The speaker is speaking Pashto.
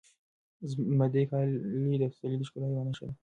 زمردي کالي د پسرلي د ښکلا یوه نښه ده.